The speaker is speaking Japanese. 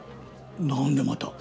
何でまた！？